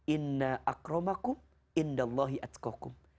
inna akromakum inda allahi atzkokum